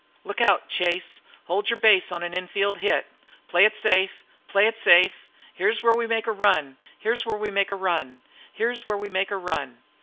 "Look out, Chase! Hold your base on an infield hit! Play it safe! Play it safe! Here's where we make a run, here's where we make a run! Here's where we make a run!